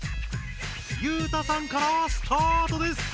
裕太さんからスタートです！